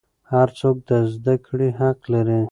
هر څوک د زده کړې حق لري.